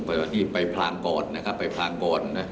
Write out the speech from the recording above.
ประจำที่ไปพรางก่อน